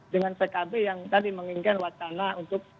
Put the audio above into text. dengan pkb yang tadi menginginkan wacana untuk